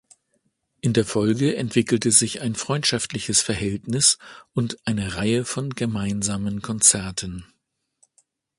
In der Folge entwickelte sich ein freundschaftliches Verhältnis und eine Reihe von gemeinsamen Konzerten.